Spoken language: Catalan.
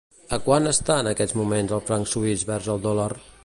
A quant està en aquests moments el franc suís vers el dòlar?